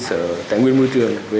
sở tài nguyên môi trường